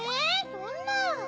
そんな。